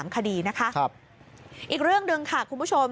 คดีนะคะอีกเรื่องหนึ่งค่ะคุณผู้ชม